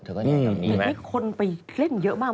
เธอก็บอกแบบนี้ไหมแต่มีคนไปเล่นเยอะมาก